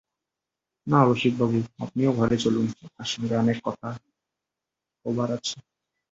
না রসিকবাবু, আপনি ও ঘরে চলুন, আপনার সঙ্গে অনেক কথা কবার আছে।